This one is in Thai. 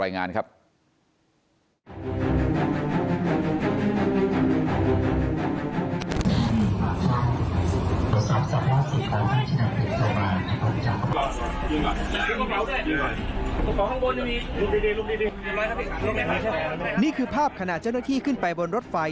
นี่คือภาพขณะเจ้าหน้าที่ขึ้นไปบนรถไฟ